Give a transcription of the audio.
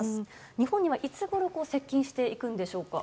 日本にはいつごろ接近していくんでしょうか。